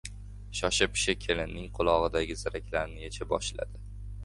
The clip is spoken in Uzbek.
Shosha-pisha kelinning qulog‘idagi ziraklarni yecha boshladi.